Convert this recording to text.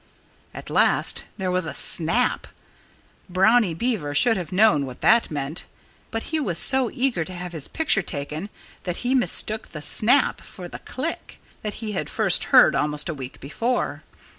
At last there was a snap! Brownie Beaver should have known what that meant. But he was so eager to have his picture taken that he mistook the snap for the click that he had first heard almost a week before.